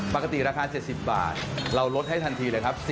ปกติราคา๗๐บาทเราลดให้ทันทีเลยครับ